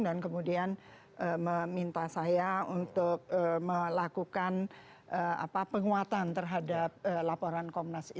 dan kemudian meminta saya untuk melakukan penguatan terhadap laporan komnas itu